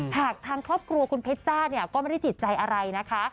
หากทางครอบครัวคุณเพชรจ้าเนี่ยก็ไม่ได้ติดใจอะไรนะคะ